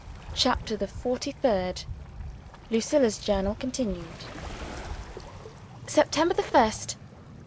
CHAPTER THE FORTY THIRD Lucilla's Journal, continued September 1st.